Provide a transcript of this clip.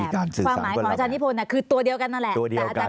ความหมายของอาจารย์นิพนธ์คือตัวเดียวกันนั่นแหละ